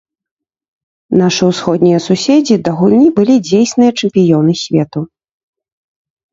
Нашы ўсходнія суседзі да гульні былі дзейсныя чэмпіёны свету.